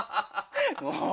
もう！